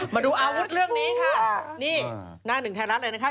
มาดูอาวุธเรื่องนี้ค่ะนี่หน้าหนึ่งไทยรัฐเลยนะคะ